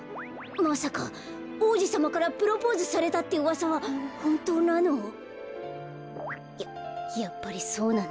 まさかおうじさまからプロポーズされたってうわさはほんとうなの？ややっぱりそうなんだ。